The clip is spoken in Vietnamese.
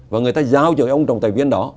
và người ta giao cho ông trọng tài viên đó